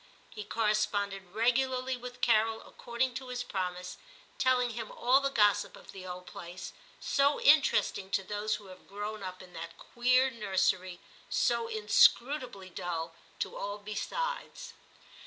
He corresponded regu larly with Carol, according to his promise, telling him all the gossip of the old place, so interesting to those who have grown up in that queer nursery, so inscrutably dull to all besides.